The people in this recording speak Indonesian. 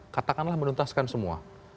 katakanlah menuntaskan semua